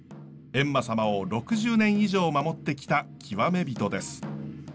閻魔様を６０年以上守ってきた極め人です。